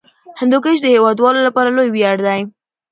هندوکش د هیوادوالو لپاره لوی ویاړ دی.